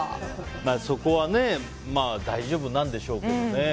そこはねまあ大丈夫なんでしょうけどね。